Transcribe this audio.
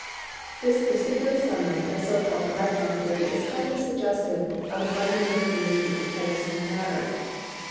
This perspicuous summary of the so called electron the ory is highly suggestive of the fundamental unity of force and matter.